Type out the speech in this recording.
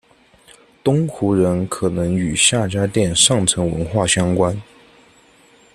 东胡人可能与夏家店上层文化相关。